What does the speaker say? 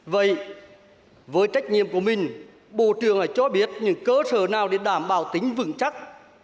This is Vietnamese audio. vậy với trách nhiệm của mình bộ trưởng lại cho biết những cơ sở nào để đảm bảo tính vững chắc